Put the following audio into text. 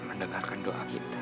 mendengarkan doa kita